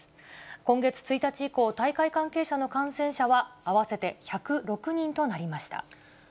今月１日以降、大会関係者の感染者は合わせて１０６人となりました。